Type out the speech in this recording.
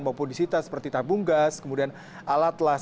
maupun disita seperti tabung gas kemudian alat las